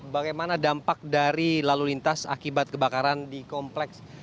bagaimana dampak dari lalu lintas akibat kebakaran di kompleks